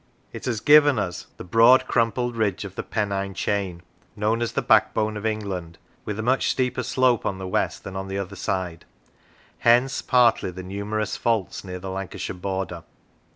It has given 26 Physical Structure us the broad, crumpled ridge of the Pennine Chain, known as the backbone of England, with a much steeper slope on the west than on the other side; hence, partly, the numerous faults near the Lancashire border.